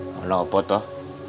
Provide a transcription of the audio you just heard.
lho apa tuh